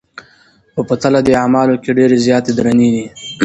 خو په تله د اعمالو کي ډېرې زياتي درنې دي